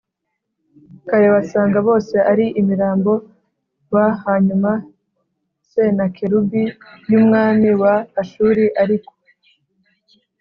kare basanga bose ari imirambo w Hanyuma Senakeribu y umwami wa Ashuri ariku